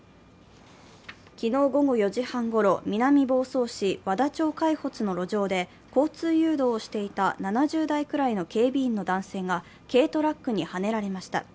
昨日午後４時半ごろ、南房総市和田町海発の路上で、交通誘導をしていた７０代くらいの警備員の男性が軽トラックにはねられました。